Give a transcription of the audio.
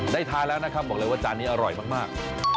ทานแล้วนะครับบอกเลยว่าจานนี้อร่อยมาก